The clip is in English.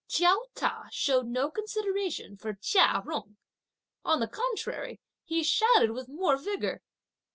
Chiao Ta showed no consideration for Chia Jung. On the contrary, he shouted with more vigour.